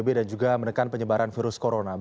untuk itu kami meminta kepada seluruh anggota masyarakat